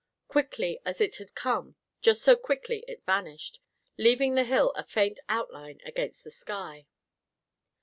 Quickly as it had come, just so quickly it vanished, leaving the hill a faint outline against the sky.